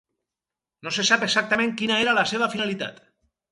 No se sap exactament quina era la seva finalitat.